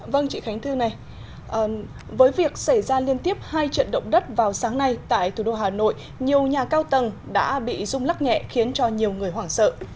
vâng chị khánh thư này với việc xảy ra liên tiếp hai trận động đất vào sáng nay tại thủ đô hà nội nhiều nhà cao tầng đã bị rung lắc nhẹ khiến cho nhiều người hoảng sợ